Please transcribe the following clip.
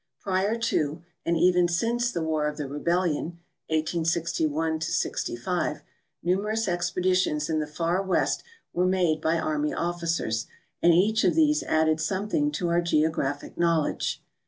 Prior to and even since the war of the rebellion, 1861 '65, numerous expeditions in the far west were made by army officers, and each of these added some thing to our geographic knowledge.